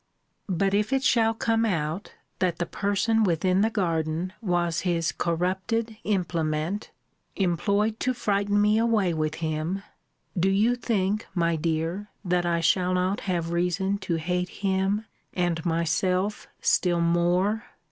But if it shall come out, that the person within the garden was his corrupted implement, employed to frighten me away with him, do you think, my dear, that I shall not have reason to hate him and myself still more?